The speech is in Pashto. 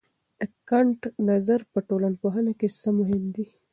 د کنت نظر په ټولنپوهنه کې څه مهم دی؟